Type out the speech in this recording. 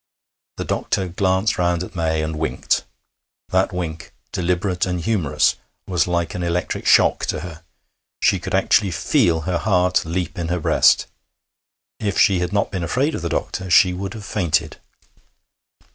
The doctor glanced round at May and winked. That wink, deliberate and humorous, was like an electric shock to her. She could actually feel her heart leap in her breast. If she had not been afraid of the doctor, she would have fainted.